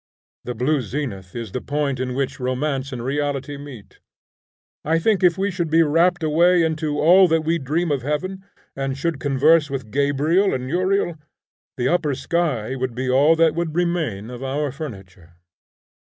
The blue zenith is the point in which romance and reality meet. I think if we should be rapt away into all that we dream of heaven, and should converse with Gabriel and Uriel, the upper sky would be all that would remain of our furniture.